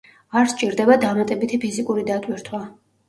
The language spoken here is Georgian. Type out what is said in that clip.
არ სჭირდება დამატებითი ფიზიკური დატვირთვა.